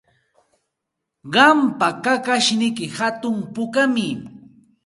Qampa kakashniyki hatun pukami.